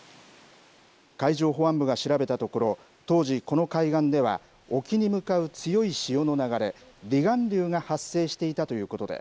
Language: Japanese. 海上保安部が調べたところ、当時、この海岸では、沖に向かう強い潮の流れ、離岸流が発生していたということで、